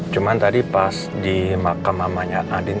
cuma tadi pas di makam mamanya adin